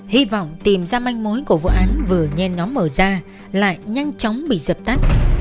hy vọng tìm ra manh mối của vụ án vừa nhen nó mở ra lại nhanh chóng bị dập tắt